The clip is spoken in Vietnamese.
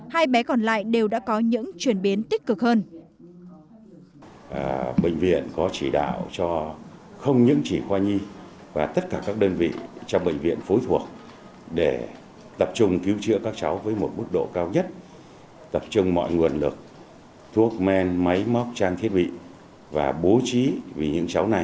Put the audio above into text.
hai bé còn lại đều đã có những chuyển biến tích cực hơn